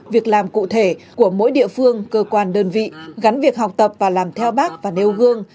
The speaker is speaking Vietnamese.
việc làm cụ thể của mỗi địa phương cơ quan đơn vị gắn việc học tập và làm theo bác và nêu gương